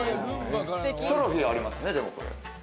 トロフィーありますね。